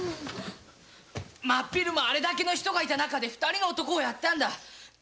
真っ昼間あれだけの人がいた中で二人の男をやったんだ。